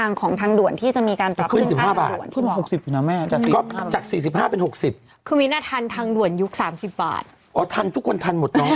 อันนั้นใจเช่ามากนะ